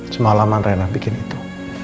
semalaman reina bikin itu